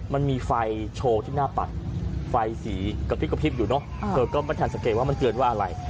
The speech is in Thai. มันมีไฟโชว์ที่หน้าปัดไฟสีกระพริบกระพริบอยู่เนอะเธอก็ไม่ทันสังเกตว่ามันเกินว่าอะไร